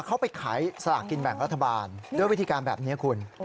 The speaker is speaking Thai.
เขาไปขายสลากกินแบ่งรัฐบาลด้วยวิธีการแบบนี้คุณ